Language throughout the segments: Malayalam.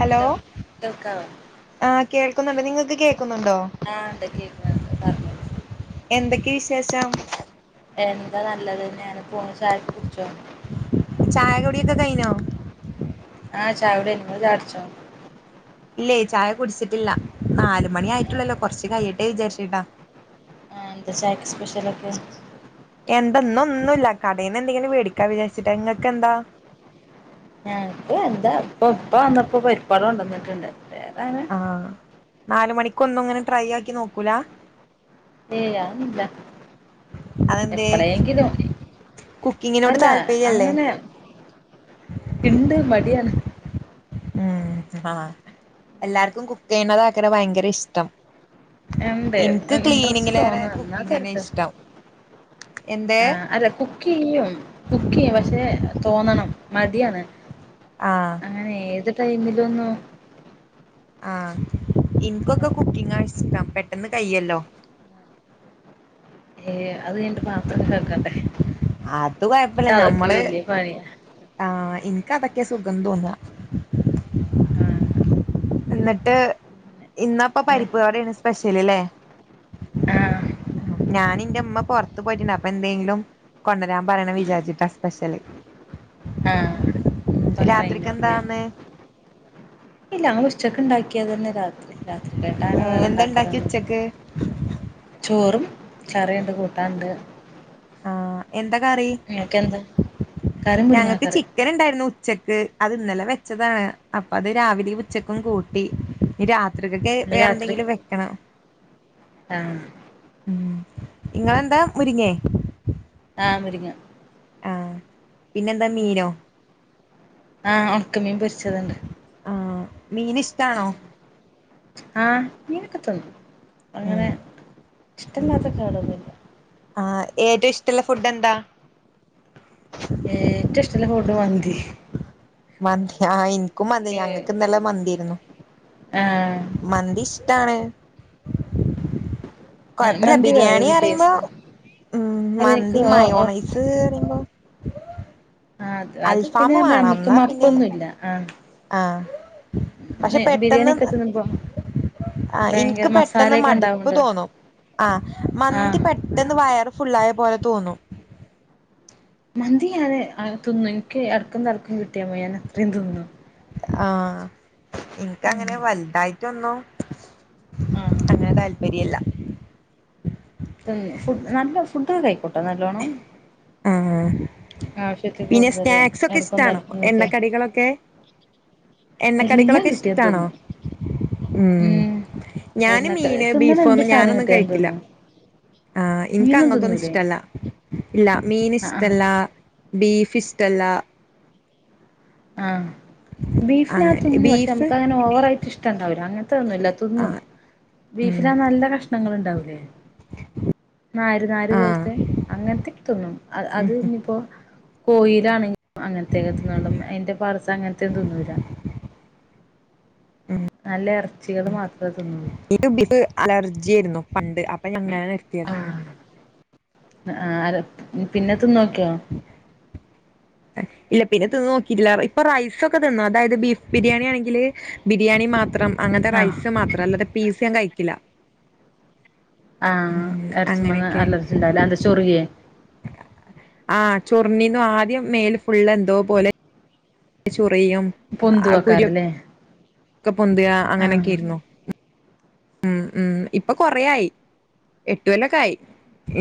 ഹലോ കേൾക്കാവോ ആഹ് കേൾക്കുന്നുണ്ട് നിങ്ങക്ക് കേക്കുന്നുണ്ടോ ആ ഇണ്ട് കേക്കുന്നുണ്ട് പറഞ്ഞോ എന്തൊക്കെ വിശേഷം എന്താ നല്ലത് നേര [unintelligible] ചായക്കെ കുടിച്ചോ ചായ കുടിയൊക്കെ കഴിഞ്ഞോ ആ ചായ കൂടി കഴിഞ്ഞു നിങ്ങള് ചായ കുടിച്ചൊ ഇല്ലേ ചായ കുടിച്ചിട്ടില്ല നാല് മണി ആയിട്ടുള്ളല്ലോ കൊറച്ച് കഴിയട്ടേ വിചാരിച്ചിട്ടാ ആ എന്ത ചായക്ക് സ്പെഷ്യലൊക്കെ എന്തന്നും ഒന്നുയില്ല കടേന്ന് എന്തെങ്കിലും വേടിക്കാ വിചാരിച്ചിട്ട് ഇങ്ങക്ക് എന്താ ഞക്ക് എന്താ ഇപ്പ ഇപ്പ വന്നപ്പോ പരിപ്പവട കൊണ്ട് വന്നിട്ടുണ്ട് വേറെ അങ്ങനെ ആ നാല് മണിക്കൊന്നുയിങ്ങനെ ട്രൈ ആക്കി നോക്കൂല ഏയ് അതൊന്നുമില്ല അതെന്തേ എപ്പളെങ്കിലും കുക്കിങ്ങിനോട് അല്ല താല്പര്യല്ലേ അങ്ങനെ ഇണ്ട് മടിയാണ് മ്മ് ആ എല്ലാർക്കും കുക്ക് ചെയ്യണത് ആക്കനെ ഭയങ്കര ഇഷ്ടം ഉണ്ട് എനിക്ക് ഇൻട്രസ്റ്റ് ക്ലീനിങ്ങിലേറെ കുക്കിംഗ് തന്നെ ഇഷ്ടം എന്തേ ആ അല്ല കു കുക്കുചെയ്യും കുക്ക് ചെയ്യും പക്ഷെ തോന്നണം മടി യാണ് ആഹ് അങ്ങനെ ഏത് ടൈമിലൊന്നും ആ എനിക്കൊക്കെ കുക്കിംഗാണ് ഇഷ്ടം പെട്ടെന്ന് കയ്യില്ലോ ഏ അത് കഴിഞ്ഞിട്ട് പാത്രക്കെ കഴിക്കണ്ടേ അത് അതക്കെ വല്യ പണിയാ ആ എനിക്കതക്കെ സുഖം തോന്നാ ആഹ് എന്നിട്ട് ഇന്നപ്പ പരിപ്പുവടയാണ് സ്പെഷ്യല് ഇല്ലേ ആഹ് ഞാനിൻ്റെ ഉമ്മ പൊറത്തു പോയിട്ടുണ്ട് അപ്പന്തെങ്കിലും കൊണ്ടരാൻ പറയണ വിചാരിച്ചിട്ട സ്പെഷ്യല് ആഹ് ഇപ്പ അങ്ങനെ കഴിഞ്ഞോല്ലേ രാത്രിക്കെന്താന്ന് ഇല്ല അ ഉച്ചക്ക് ഉണ്ടാക്കിയത് തന്നെ രാ രാത്രിത്തെട്ട അങ്ങനെ ഏഹ് എന്താ ഇണ്ടാക്കി വേറെണ്ടാക്കരുതൊന്നില്ല ഉച്ചക്ക് ചോറും കറിണ്ട് കൂട്ടാനുണ്ട് ആ എന്താക്കറി ഇയാക്കെന്താ ഞങ്ങക്ക് ചി ചിക്കനിണ്ടായിരുന്നു ഉച്ചക്ക് അത് ഇന്നലെ വെച്ചതാണ് അപ്പ അത് രാവിലെയും ഉച്ചക്കും കൂട്ടി ഇനി രാ തൃകേക്ക് ഇന്ന് രാത്രി വേറെന്തെങ്കിലും വെക്കണം ആഹ് മ്മ് ഇങ്ങെളെന്താ മുരിങ്ങേ ആ മുരിങ്ങ ആ പിന്നെന്താ മീനോ ആ ഒണക്ക മീൻ പൊരിച്ചതണ്ട് ആ മീനിഷ്ടാണോ ആ മീനൊക്കെ തിന്നു അങ്ങനെ ഉം ഇഷ്ടല്ലാത്ത തായിട് വേറൊന്നുമില്ല ആ ഏറ്റോ ഇഷ്ടള്ള ഫുഡെന്താ ഏറ്റോയിഷ്ടുള്ള ഫുഡ് മന്തി മന്തി ആ എനിക്കും മന്തി ഞങ്ങൾക്ക് ഇന്നല മന്തിയിരുന്നു ആഹ മന്തി ഇഷ്ടാണ് കൊഴപ്പമില്ല മന്തി ബിരിയാണി വേറൊരു അറിയുമ്പോ ടേസ്റ്റാ ഉം അത് എനിക്ക് മന്തി ഓ ഓ മയോണൈസ് അറിയുമ്പോ ആഹ് അത് അത് അൽഫാാം പിന്നെ വേണം നമുക്ക് എന്നാ പിന്നെ മപ്പൊന്നുല്ല ആഹ് ആഹ പക്ഷെ പെട്ടെന്ന് ബിരിയാണിയൊക്കെ തിന്നുമ്പോ ആ എനിക്ക് ഭയങ്കര പെട്ടെന്ന് മസാലയൊക്കെ മടുപ്പ് ഉണ്ടാവോണ്ട് തോന്നും ആ മന്തി ആഹ് പെട്ടന്ന് പെട്ടന്ന് വയർ ഫുള് ആയ പോലെ തോന്നും മന്തി ഞാന് തിന്നു എനിക്ക് ഇടക്കും തടക്കും കിട്ടിയമ്മോ ഞാൻ അത്രയും തിന്നു ആഹ് ഇനിക്ക് ആഹ് അങ്ങനെ വലുതായിട്ടൊന്നു ആഹ് അങ്ങനെ താല്പര്യമില്ല [unintelligible] നല്ല ഫുഡ് കഴക്കോട്ടോ നല്ലോണം ആഹ് ആവശ്യത്തില് പിന്നെ കൂടുതല് സ്നാക്സ് ഒക്കെ എടക്കും ഇഷ്ടാണോ [unintelligible] എണ്ണക്കടികളൊക്കെ എല്ലാം എണ്ണക്കടികളൊക്കെ കിട്ടിയാ ഇഷ്ടാണോ തിന്നും ഉം ഞാന് എണ്ണക്ക മീന് തിന്നണ ബീഫോ എന്ത് ഒന്നും സാധനം ഞാനൊന്നും കിട്ടിയാലും കഴിക്കില്ല തിന്നും ആഹ് എനിക്ക് മീനും അങ്ങത്തൊന്നും തിന്നൂലേ ഇഷ്ടല്ല ഇല്ല മീൻ ആഹ് ആഹ് ഇഷ്ടല്ല ബീഫ് ഇഷ്ടല്ല ആഹ് അങ്ങനെ ബീഫിനകത്ത്ന്നന്ന് പക്ഷെ ബീഫ് നമുക്ക് അങ്ങനെ ഓവറായിട്ട് ഇഷ്ട ഇണ്ടാവില്ല അങ്ങനത്തെ ഒന്നുംല്ല തിന്നും ആഹ് ഉം ബീഫിനാ നല്ല കഷ്ണങ്ങ ഉണ്ടാവൂലേ നാര് നാര് ആഹ് പോലത്തെ അങ്ങനത്തക്ക് തിന്നും അഹ് അത് ഉം ഇനിയിപ്പോ കോഴീടെ ആണ് [unintelligible] അയിൻ്റെ പാഡ്‌സ് അങ്ങനത്തെ ഒന്നും തിന്നൂല്ല നല്ല ഇറച്ചികൾ മാത്രമേ തിന്നുള്ളൂ ഇനിക്ക് ബ അലർജി ആയിരുന്നു പണ്ട് അപ്പൊ ഞങ്ങൾ [unintelligible] ആഹ് പിന്നെ തിന്ന്നോക്കിയോ ഇല്ല പിന്നെ തിന്ന് നോക്കിയില്ല ഇപ്പൊ റൈസ് ഒക്കെ തിന്നു അതായത് ബീഫ് ബിരിയാണെങ്കില് ബിരിയാണി മാത്രം അങ്ങനത്തെ ആഹ് റൈസ് മാത്രം അല്ലാതെ പീസ് കഴിക്കില്ല ആഹ് ഉം ഇറച്ചിന്ന് അങ്ങനെയൊക്കെ അലറച്ചി ഉണ്ട് എന്താ ചൊറിയെ ആഹ് ചൊറിഞ്ഞിരിന്നു ആദ്യം മേൽ ഫുള്ള് എന്തോ പോലെ ചൊറിയും പൊന്തിവരാറില്ലെ ദേഹത്തൊക്കെ പൊന്തിയ അങ്ങനൊക്കെ ആയിരുന്നു ഉം ഉം ഇപ്പൊ കൊറെ ആയി എട്ട് കൊല്ലൊക്കെ ആയി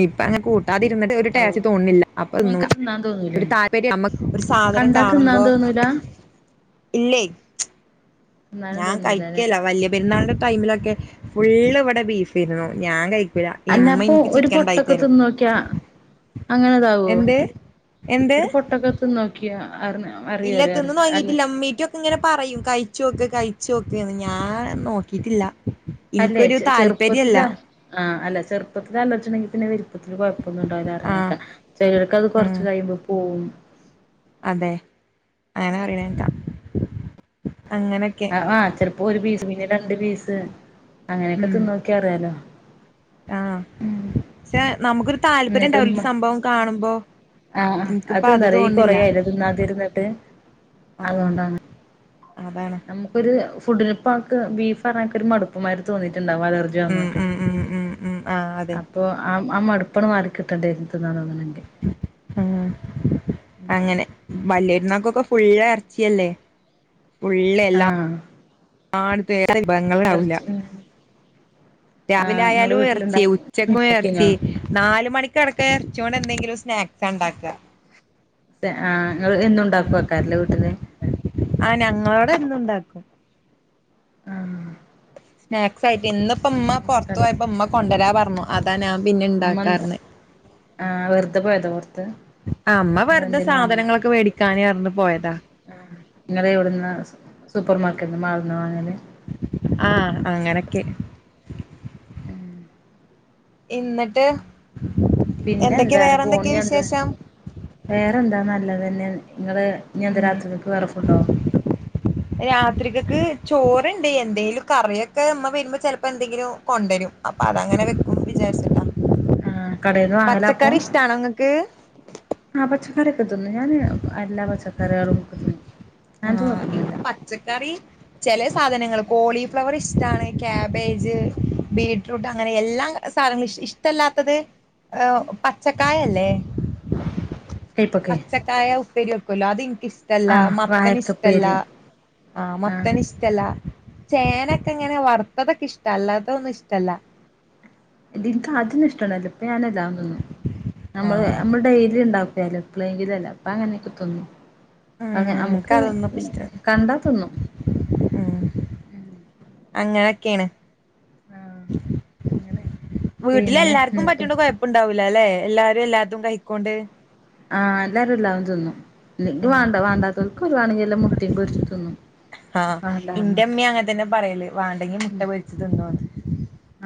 ഇപ്പ അങ്ങനെ കൂട്ട തിരുന്നിട്ട് ഒരു ഔ ടേസ്റ്റ്തോന്നിയില്ല അപ്പൊ നിനക്ക് തിന്നാൻ തോന്നൂലേ താല്പര്യം [unintelligible] കണ്ടാ തിന്നാൻ തോന്നൂല ഇല്ലേ തിന്നാനും ഞാൻ തോന്നൂലല്ലെ കഴിക്കില്ല വലിയ പെരുന്നാളിന്റെ ടൈമിലൊക്കെ ഫുള്ള് ഇവിടെ ബീഫ് ആയിരുന്നു ഞാൻ കഴിക്കില്ല അല്ലാത്തപ്പൊ ഒരു പൊട്ടൊക്കെ തിന്ന് നോക്കിയാ അങ്ങനെതാവോ എന്ത് എന്ത് ഒരു പൊട്ടൊക്കെ തിന്ന് നോക്കിയാ ആവുമോ ഇല്ല തിന്ന് നോങ്ങിയിട്ടില്ല അമ്മീട്ടും ഇങ്ങനെ പറയും കഴിച്ചോക്ക് കഴിച്ചു നോക്കന്ന് ഞാൻ നോക്കിട്ടില്ല അല്ലേ ഇനക്കൊരു താല്പര്യല്ല ചെറുപ്പത്തിലാ ആഹ് അല്ല ചെറുപ്പത്തിൽ ആലർജിണ്ടെങ്കി ചെറുപ്പത്തില് കുഴപ്പൊന്നും ഉണ്ടാവില്ലാ പറയണ ആഹ് കേൾക്ക ചിലർക്ക് അത് ഉം കൊറച്ച് കഴിയുമ്പോ പോകും അതെ അങ്ങനെ അറിയണ കേട്ട അങ്ങനൊക്കെ ആഹ് ചെലപ്പോ ഒരു പീസ് പിന്നെ രണ്ട് പീസ് അങ്ങനെയൊക്കെ ഉം തിന്ന് നോക്കിയ അറിയാലോ ആഹ് പക്ഷെ നമുക്കൊരു താല്പര്യം എന്നിട്ട് ഉമ്മ ഉണ്ടാവില സംഭവം കാണുമ്പോ ആഹ് എനിക്കിപ്പ അത് അതെന്താന്നറിയോ ഈ തോന്നില്ല കൊറയായില്ല തിന്നാതിരുന്നിട്ട് ആഹ് അതുകൊണ്ടാണ് അതാണ് നമുക്ക് ഒരു ഫുഡിലിപ്പോ അവക്ക് ബീഫ് [unintelligible] ഒരു മടുപ്പമാര് തോന്നിയിട്ടുണ്ടാാവും അലർജി ഉം ട്ട ഉം ഉം ഉം ഉം ആഹ് അതെ അപ്പൊ ആഹ് ആഹ് മടുപ്പങ്ങ് മാറിക്കിട്ടണ്ടന്നന്നെങ്കിൽ അങ്ങനെ അങ്ങനെ വല്ല്യ പെര്ന്നാകൊക്കെ ഫുള്ള് ഇറച്ചിയല്ലെ ഫുള്ള് ആഹ് എല്ലാടത്തും വേറെ വിഭവങ്ങളാവൂല ഇറച്ചി ആഹ് നിങ്ങളടെ രാവിലായാലും വീട്ടിലുണ്ട ഇറച്ചി ഉച്ചക്കും ഉണ്ടാക്കീനോ ഇറച്ചി നാല്മണി [unintelligible] ഇറച്ചി കൊണ്ട് എന്തെങ്കിലും സ്നാക്സാണ്ടാക്ക ആഹ് ങ്ങള് എന്നുണ്ടാകൊയ്കാരം ല്ലെ വീട്ടില് ആഹ് ഞങ്ങളോടെ എന്നുണ്ടാക്കും ആഹ് സ്നാക് ആയിട്ട് ഇന്നിപ്പ മ്മ പുറത്തു എന്നക്കത് പോയപ്പോ മ്മ കൊണ്ടുവരാ പറഞ്ഞു അതാ ഞാൻ പിന്നെ ഉമ്മ എന്താ ഉണ്ടാക്കാതിര്ന്നത് ആഹ് വെറുതെ പോയതാ പുറത്ത് ആഹ് അതോ മ്മവെറുതെ എന്തേലും സാധനങ്ങളൊക്കെ മേടിക്കാന്‌ന്ന് പറഞ്ഞ് പോയതാ ങ്ങള് എവിട്ന്നാ സൂപർമാർക്കറ്റ് മാൾന്നാ വാങ്ങല് ആഹ്അങ്ങനൊക്കെ ഉം ഇന്നട്ട് പിന്നെ എന്തൊക്കെയ എന്താണ് വേറെന്തൊക്കെയ പോണിഞ്ഞെന്താ വിശേഷം വേറെന്താ നല്ലതെന്നെ ങ്ങള് ഇനി എന്താ ഉം രാത്രികക് വേറെ ഫുഡോ രാത്രികക്ക് ചോറ്ണ്ട് എന്തേലും കറി ഒക്കെ മ്മ വരുമ്പോ ചെലപ്പൊ എന്തെങ്കിലും കൊണ്ടെരും അപ്പതങ്ങനൊക്കെ വെക്കും വി ചാരിച്ചിട്ടാ ആഹ് കടേന്ന് വാങ്ങലാപ്പം ഇഷ്ടാണോ ഇങ്ങക്ക് ആഹ് പച്ചക്കറിയെക്കെ തിന്നും ഞാനെല്ലാ പച്ചകറികളും തിന്നും അങ്ങനത്തെ കൊഴപ്പൊന്നുല്ല ആഹ്എനിക്ക് പച്ചക്കറി ചെലസാധനങ്ങൾ കോളിഫ്ലവർ ഇഷ്ടാണ് കാബേജ് ബീട്രൂട്ട് അങ്ങനെ എല്ലാം സാധനങ്ങൾഇഷ്ടമല്ലാത്തത് പച്ചക്കായ ഇല്ലേ കൈപ്പക്കെ പച്ചക്കായ ഉപ്പേരി വക്കല്ലോ അത് ഇന്ക്ക് ഇഷ്ടല്ല ആഹ് മത്ത മത്തന് ഇഷ്ടല്ല വായക്കപ്പേരി ആഹ് മത്തനിഷ്ട ടല്ല ചേനൊക്കെങ്ങനെ വറുത്തതൊക്കെ ഇഷ്ട്ടാണ് അല്ലാതൊന്നും ഇഷ്ടല്ല ഇൻക്കാദ്യമൊന്നും ഇഷ്ടല്ലായിരുന്നു പ്പം ഞാനെല്ലാം തിന്നും ആഹ് ഞമ്മൾ ഡെയ്‌ലി ണ്ടാക്കിയാലും എപ്പളേങ്കിലൊല്ലെ അപ്പം അങ്ങനൊക്കെ തിന്നും ഉം ഞമ്മക്ക് ഇൻക്കതൊന്നുംപ്പ ഇഷ്ടല്ല കണ്ടാ തിന്നും അങ്ങനൊക്കെയാണ് ആഹ് അങ്ങനെ പിന്നെ വീട്ടിലല്ലാർക്കും എന്നിട്ട് പറ്റ്നോണ്ട് കൊയപ്പ ണ്ടാവൂലല്ലെ എല്ലാരും എല്ലാതും കഴിക് ണോണ്ട് ആഹ് ഇതല്ലാരും തിന്നും ഇത് ഉം വാണ്ടാതോര്ക്ക് വാണെല് മുട്ട പൊരിച്ച് തിന്നും ആഹ് വേണ്ടാർഞ്ഞാ ന്റെമ്മി അങ്ങനെ തന്നെ പറയല് വാണ്ടെങ്കി മുട്ട പൊരിച്ച് തിന്നോന്ന്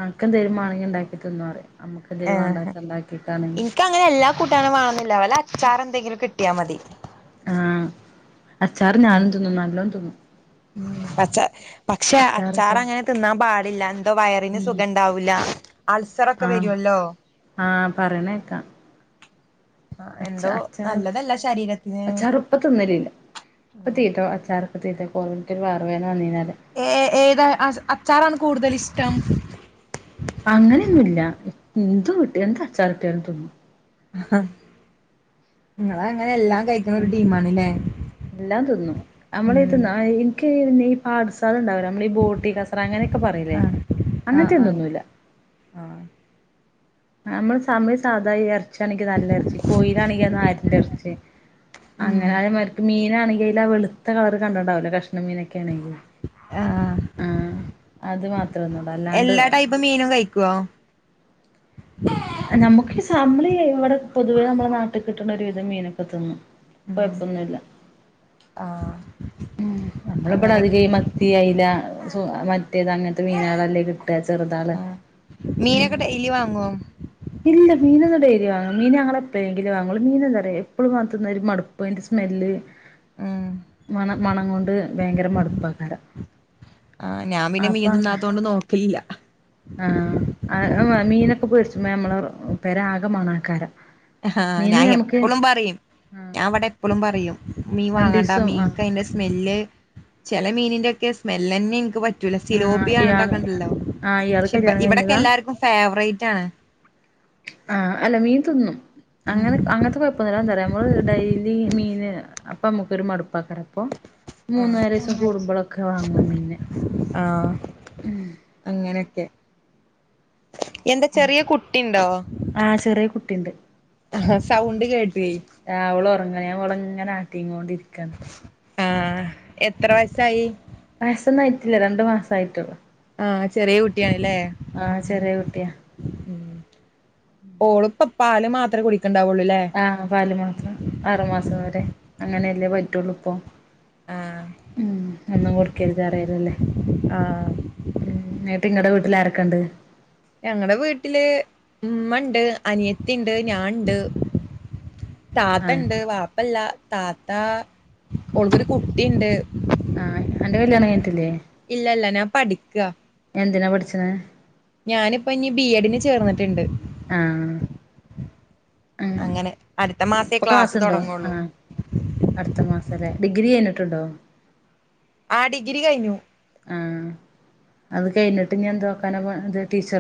അനക്എന്തേങ്കിലും മാണങ്കിണ്ടാക്കി തിന്നോന്ന് പറയും ഞമ്മക്ക് എന്തേലും വാണ്ടത്തത് ഉണ്ടാക്കിക്കാണെങ്കിൽ ഇന്കങ്ങനെ എല്ലാ കൂട്ടാനും മാണന്നി ല്ല്യ വല്ല അച്ചാറെന്തേങ്കിലും കിട്ടിയാൽ മതി ആഹ് അച്ചാറ് ഞാനും തിന്നും നല്ലോം തിന്നും ഉം പക്ഷെ അച്ചാറിട്ടാ അച്ചാറങ്ങനെ തിന്നാന് പാടില്ല എന്തോ വയറിന് ഉം സുഖംണ്ടാവൂല ല അച്ചാ ആഹ് ആഹ് പറിനേക്കാ ആഹ് എന്തോ നല്ലതല്ല ശരീരത്തിന് പ്പം തിന്നലില്ല ഇപ്പ തീറ്റ അച്ചാറൊക്കെ തിന്നുബ്ബോ വയറ് വേദന വന്ന് കഴി ഞ്ഞാല് ഏഹ് ഏതാ അച്ചാറാണ് കൂടുതൽ ഇഷ്ടം അങ്ങനെയൊന്നൂല്യ എന്ത്കിട്ടിയാ അച്ചാറ് കിട്ടിയാലും തിന്നും ആഹ് ങ്ങള് അങ്ങനെ എല്ലാം കഴിക്കുന്ന ഒരു ഉം ടീമാണല്ലെ എല്ലാം തിന്നും നമ്മളീ തിന്ന എനിക്കീ പാട്‌സ്‌ണ്ടാവല്ലൊഈ ബോട്ടി അതങ്ങനൊക്കെ പറീലെ ആഹ് ആഹ് അങ്ങനത ഒന്നും ആഹ് തിന്നൂല ആഹ് നമ്മള് സാധാ ഇറച്ചിയാണെങ്കി നല്ല ഇറച്ചി കോയിലാണെങ്കിനാരിൻ്റെ ഇറച്ചി ഉം അങ്ങനേണങ്കി മെരത്ത് മീനാണ്ണങ്കി ആ വെള്ത്തകളറ് കണ്ട്ണ്ടാവൂലെകഷ്ണ മീനാണെങ്കി ആഹ് ആഹ്അത് മാത്രം തിന്നൊള്ളൂ അല്ലാണ്ട് ഇപ്പൊ മീനും കഴിക്കോ നമ്മുക്ക് ഇവിടെ പൊതുവെ നമ്മുടെ നാട്ടില് കിട്ടുന്ന ഒരു വിധം മീനൊക്കെ തിന്നും ഉം കൊഴപ്പൊന്നു ല്ല ആഹ് നമ്മള ഇബടെ അങ്ങനെയൊക്കെ അധികം ഈ മത്തി മത്തി അയില സു മറ്റേത് അങ്ങനത്തെ മീനാളല്ലേ കി ട്ട ചെറ് താളല്ലേ മ്മ് ഇയ്യ് വാങ്ങോ ഇല്ല മീനോന്നും ഡെയ്‌ലി വാങ്ങൂല മീൻ ഞങ്ങള് പ്പോഴെങ്കിലും വാങ്ങോള്ളൂ മീന് എന്താറയോ എപ്പളും തിന്നാ ഒരു മടുപ്പ് അയിന്റെ സ്മെല്ല് [inaudible] മ മണം കൊണ്ട് ഭയങ്കര മടുപ്പാക്കാരം ആഹ് ഞാൻ പിന്നെ അപ്പൊ മീൻ അങ്ങനെ തിന്നാത്തോണ്ട് നോക്കലില്ല ആഹ് മീനൊക്കെ പേരിച്ച് മ്പോ നമ്മളെ പെര ആകെ മണെക്കാരം ആഹ് ഹ ഞാൻ എപ്പളും പറയും ആഹ് ഞാൻ വെടെ എപ്പോളും പറയും മീൻ വാങ്ങണ്ട രണ്ടീസം ആഹ് മീൻക്ക് അയിന്റെ സ്മെല്ല് ചെല മീനിന്റെ ഒക്കെ സ്മെല്ല് ന്നെ ഇൻക്ക് പറ്റ പറ്റൂല ആഹ് സിലോപി ഇയാള് അങ്ങനത്തോക്ക ണ്ടല്ലോ ആഹ് ഇയാള് പക്ഷെ ഇ കല്യാണം ഇവിടൊക്കെ കഴിഞ്ഞതാ എല്ലാർക്കും ഫേവറേറ്റാണ് ആഹ് അല്ല മീൻ തിന്നും അങ്ങന ഉം അങ്ങനത്തെ കൊഴപ്പംന്നുല്ലാ അത് എന്താറിയോ ഞമ്മൾ ഡെയ്ലി മീന് അപ്പം മക്കൊരു മടുപ്പാക്കാരം അപ്പൊ മൂന്നാലിസം ആഹ് കൂടുമ്പോളൊക്ക വാങ്ങും മീന് അങ്ങനോക്കെ എന്താ ചെറിയ കുട്ടിണ്ടോ ആഹ് ചെറിയ കുട്ടിയുണ്ട് ആ ഹ് സൗണ്ട് കേട്ടുയെ ആഹ് ഓൾ ഒറങ്ങാണ് ഞാൻ ഓളങ്ങനെ ആട്ടിങ്ങോണ്ട് ണ്ടിരിക്കാണ് ആഹ് എത്ര വയസായി വയസോന്നും ആയിട്ടില്ല രണ്ട് മാസ ആയിട്ടോള്ളൂ ആഹ് ചെറിയ കുട്ടിയാണല്ലേ ആഹ് ചെറിയ കുട്ടിയാ ഓള്പ്പോ പാല് മാത്രെ കുടിക്കണ്ടാവുള്ളൂലെ ആഹ് പാല് മാത്രം ആറ് മാസം വരെ അങ്ങനെല്ലേ പറ്റുള്ളൂ ഇപ്പോ ആഹ് മ്മ് ഒന്നും കൊടുക്കരുതെ റയലല്ലേ ആഹ് മ്മ് എനിട്ട് ഇങ്ങടെ വീട്ടില് ആരൊക്കെ ണ്ട് ഞങ്ങളടെ വീട്ടില് ഉമ്മണ്ട് അനിയത്തിണ്ട് ഞാൻണ്ട് ആഹ് താത്തണ്ട് വാപ്പല്ല താത്ത ഓൾ ക്കൊരു കുട്ടിണ്ട് ആഹ് അന്റെ കല്യാണം കഴിഞ്ഞിട്ടില്ലേ ഇല്ല ഇല്ല ഞാൻ പഠിക്ക എന്തിനാ പഠിച്ച്നെ ഞാനിപ്പ ഞ്ഞി ബി എഡിന് ചേർന്ട്ട്ണ്ട് ആഹ് അങ്ങനെ അടുത്തെ മാസേ ക്ലാസ് തോടങ്ങള്ളൂ അട്ത്ത മാസല്ലേ ഡിഗ്രി കഴിഞ്ഞിട്ടുണ്ടോ ആ ഡിഗ്രി കഴിഞ്ഞു ആഹ് അത് കഴിഞ്ഞിട്ട് ഞ്ഞി എന്ത് നോക്കാനാ പോണത് ടീച്ചർ